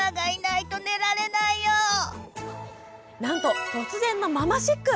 なんと突然のママシック！